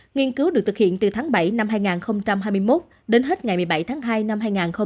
nghiên cứu được thực hiện từ tháng bảy năm hai nghìn hai mươi một đến hết ngày một mươi bảy tháng hai năm hai nghìn hai mươi